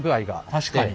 確かに。